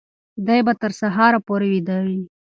دی به تر سهاره پورې ویده وي.